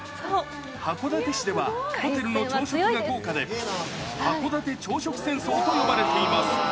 函館市では、ホテルの朝食が豪華で、函館朝食戦争と呼ばれています。